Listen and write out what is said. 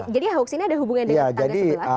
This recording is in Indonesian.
jadi hoax ini ada hubungan dengan tetangga sebelah